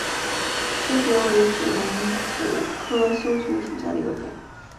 修蕨为水龙骨科修蕨属下的一个种。